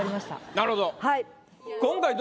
なるほど。